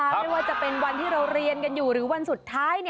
ไม่ว่าจะเป็นวันที่เราเรียนกันอยู่หรือวันสุดท้าย